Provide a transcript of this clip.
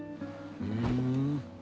ふん。